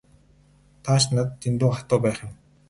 Та ч надад дэндүү хатуу байх юм.